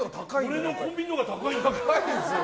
俺のコンビニのほうが高い。